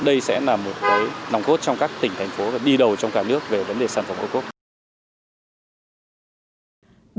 đây sẽ là một cái nòng cốt trong các tỉnh thành phố và đi đầu trong cả nước về vấn đề sản phẩm ô cốp